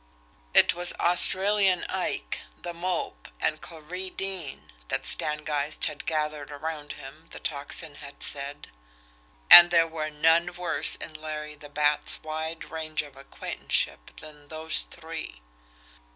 It was Australian Ike, The Mope, and Clarie Deane that Stangeist had gathered around him, the Tocsin had said and there were none worse in Larry the Bat's wide range of acquaintanceship than those three.